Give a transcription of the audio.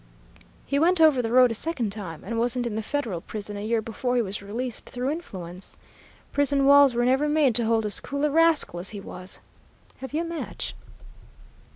"He went over the road a second time, and wasn't in the Federal prison a year before he was released through influence. Prison walls were never made to hold as cool a rascal as he was. Have you a match?"